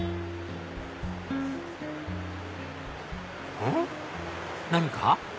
うん？何か？